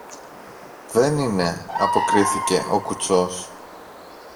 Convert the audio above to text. Δεν είναι, αποκρίθηκε ο κουτσός.